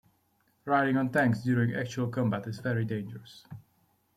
Riding on tanks during actual combat is very dangerous.